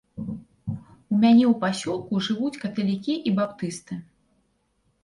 У мяне ў пасёлку жывуць каталікі і баптысты.